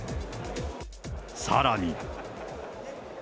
さらに。